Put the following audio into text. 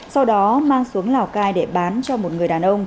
sau đó mang xuống lào cai để bán cho một người đàn ông